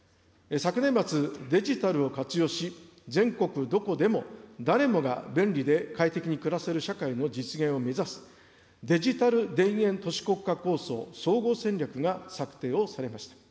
昨年末、デジタルを活用し、全国どこでも、誰もが便利で快適に暮らせる社会の実現を目指す、デジタル田園都市国家構想総合戦略が策定をされました。